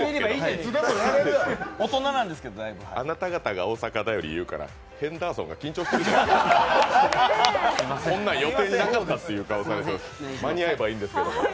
あなた方が「大阪便り」言うからヘンダーソンが緊張してるじゃないかとそんなのは予定になかったと、間に合えばいいんですけども。